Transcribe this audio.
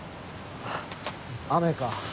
雨か。